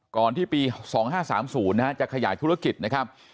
ก่อนที่ปี๒๕๓๐จะขยายธุรกิจนะครับ